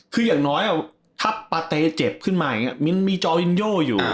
คืออย่างน้อยถ้าปาเตเจ็บขึ้นมาอย่างนี้มันมีจอวินโยอยู่